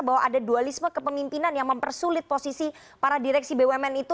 bahwa ada dualisme kepemimpinan yang mempersulit posisi para direksi bumn itu